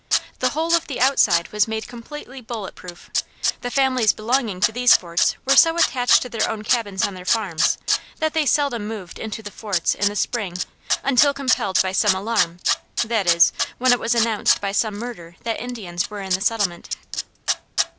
The whole of the outside was made completely bullet proof; the families belonging to these forts were so attached to their own cabins on their farms that they seldom moved into the forts in the spring until compelled by some alarm, i.e., when it was announced by some murder that Indians were in the settlement.